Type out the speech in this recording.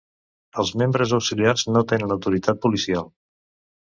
Els membres auxiliars no tenen autoritat policial.